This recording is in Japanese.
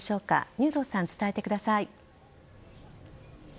入道さん、伝えてください。